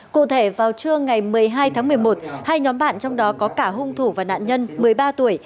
cụ thể vào trưa ngày một mươi hai tháng một mươi một hai nhóm bạn trong đó có cả hung thủ và nạn nhân một mươi ba tuổi